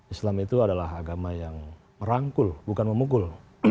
islam itu adalah agama yang merangkul bukan memukul